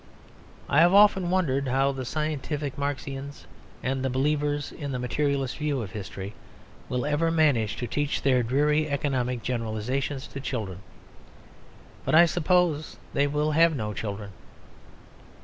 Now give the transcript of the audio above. I have often wondered how the scientific Marxians and the believers in "the materialist view of history" will ever manage to teach their dreary economic generalisations to children: but I suppose they will have no children.